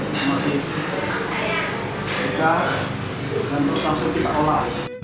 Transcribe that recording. dan rotasun tiga kolam